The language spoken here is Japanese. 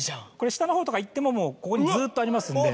下のほう行ってもここにずっとありますんで。